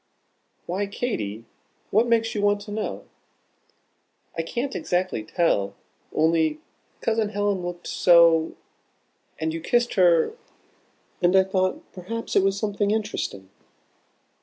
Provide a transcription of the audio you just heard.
"Why, Katy? What makes you want to know?" "I can't exactly tell only Cousin Helen looked so; and you kissed her; and I thought perhaps it was something interesting."